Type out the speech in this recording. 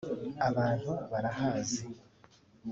abantu barahazi